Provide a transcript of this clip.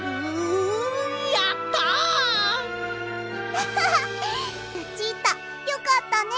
アハハッルチータよかったね。